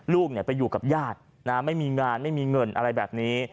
ลูกไปอยู่กับญาติไม่มีงานไม่มีเงินอะไรแบบนี้